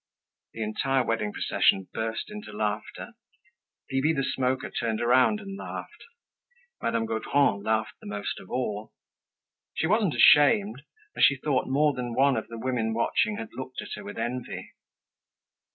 The entire wedding procession burst into laughter. Bibi the Smoker turned around and laughed. Madame Gaudron laughed the most of all. She wasn't ashamed as she thought more than one of the women watching had looked at her with envy.